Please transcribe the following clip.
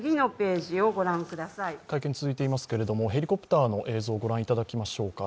会見続いていますけれども、ヘリコプターの映像をご覧いただきましょうか。